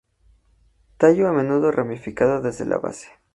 Tallo a menudo ramificado desde la base.